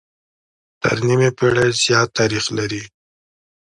تر نيمې پېړۍ زيات تاريخ لري